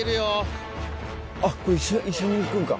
あっこれ一緒に行くんか。